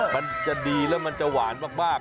มันจะดีแล้วมันจะหวานมาก